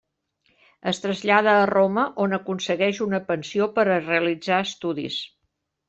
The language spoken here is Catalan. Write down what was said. Es trasllada a Roma, on aconsegueix una pensió per a realitzar estudis.